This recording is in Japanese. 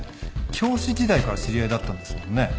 教師時代から知り合いだったんですもんね？